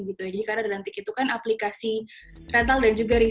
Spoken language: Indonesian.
jadi karena rentik itu kan aplikasi rental dan juga resell